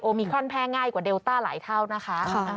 มิครอนแพร่ง่ายกว่าเดลต้าหลายเท่านะคะ